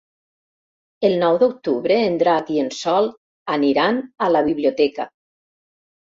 El nou d'octubre en Drac i en Sol aniran a la biblioteca.